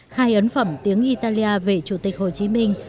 hai ấn phẩm tiếng italia về chủ tịch hồ chí minh